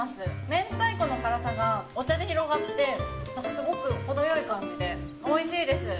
明太子の辛さがお茶で広がって、なんかすごく程よい感じで、おいしいです。